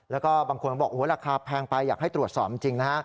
แล้วก็บางคนก็บอกราคาแพงไปอยากให้ตรวจสอบจริงนะฮะ